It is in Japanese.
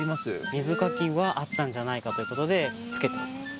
水かきはあったんじゃないかということで付けてます